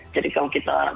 jadi kalau kita